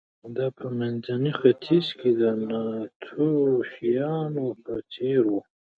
دا په منځني ختیځ کې د ناتوفیانو په څېر و